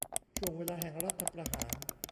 ช่วงเวลาแห่งรัฐประหาร